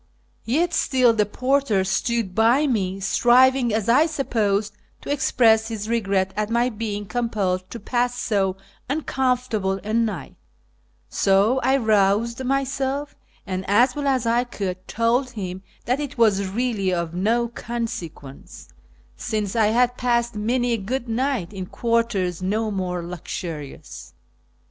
Yet still the porter stood by 37 57S ./ VI:AR amongst the PERSIANS uic, striving, as I supposed, to express his regret at my being compelled to pass so uncomfortable a night. So 1 roused myself, and, as well as I could, told him that it \vas really of uo consequence, since I had passed many a good night in quarters uo more luxurious.